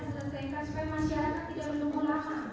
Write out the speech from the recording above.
sehingga masyarakat tidak bertumbuh lama